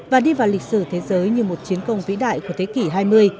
và đi vào lịch sử thế giới như một chiến công vĩ đại của thế kỷ hai mươi